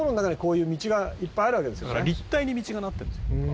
要するに「立体に道がなってるんです」